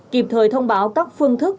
kịp thời thông báo các phương thức